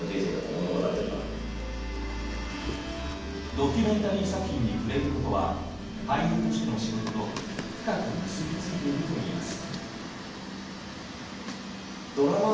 ドキュメンタリー作品に触れることは俳優としての仕事と深く結びついているといいます。